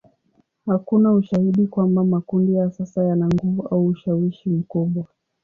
Hakuna ushahidi kwamba makundi ya sasa yana nguvu au ushawishi mkubwa.